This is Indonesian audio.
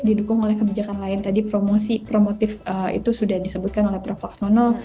didukung oleh kebijakan lain tadi promotif itu sudah disebutkan oleh prof donald